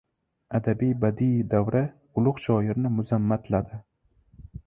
Adabiy-badiiy davra ulug‘ shoirni mazammatladi: